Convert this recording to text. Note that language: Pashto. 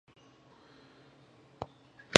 د یو باادبه او سوکاله افغانستان په هیله.